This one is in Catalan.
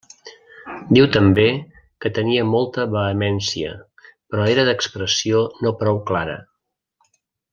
Diu també que tenia molta vehemència, però era d'expressió no prou clara.